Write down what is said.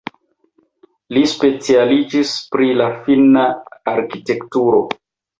Li specialiĝis pri la finna arkitekturo.